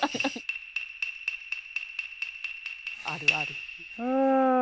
あるある。